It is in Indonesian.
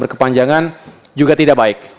berkepanjangan juga tidak baik